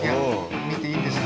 見ていいですよ。